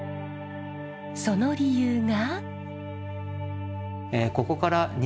その理由が。